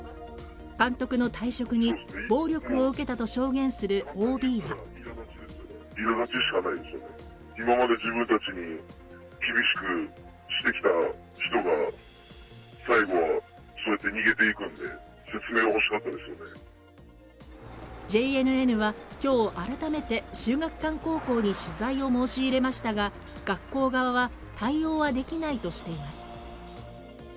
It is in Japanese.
監督の退職に、暴力を受けたと証言するＯＢはＪＮＮは今日改めて秀岳館高校に取材を申し入れましたが学校側は対応はできないとしています。